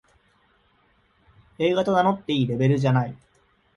映画と名乗っていいレベルじゃない